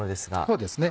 そうですね